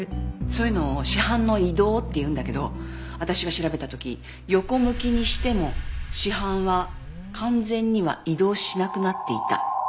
そういうのを「死斑の移動」っていうんだけど私が調べた時横向きにしても死斑は完全には移動しなくなっていた。